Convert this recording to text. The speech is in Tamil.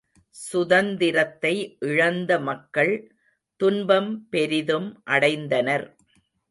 சுதந்திரத்தை இழந்த மக்கள் துன்பம் பெரிதும் அடைந்தனர்.